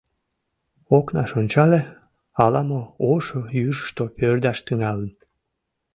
Окнаш ончале — ала-мо ошо южышто пӧрдаш тӱҥалын.